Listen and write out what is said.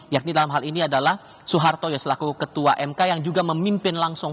yakni dalam hal ini adalah soeharto selaku ketua mk yang juga memimpin langsung